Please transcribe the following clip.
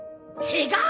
違う！